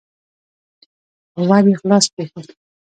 خو ور يې خلاص پرېښود.